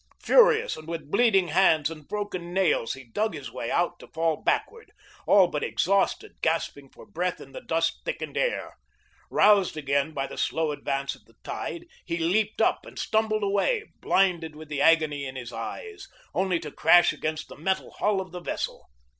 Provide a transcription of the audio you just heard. Furious and with bleeding hands and broken nails, he dug his way out to fall backward, all but exhausted, gasping for breath in the dust thickened air. Roused again by the slow advance of the tide, he leaped up and stumbled away, blinded with the agony in his eyes, only to crash against the metal hull of the vessel.